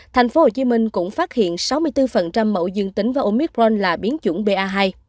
thành phố hồ chí minh cũng phát hiện sáu mươi bốn mẫu dương tính vào omicron là biến chủng ba hai